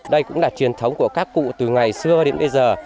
đây cũng là truyền thống của các cụ từ ngày xưa đến bây giờ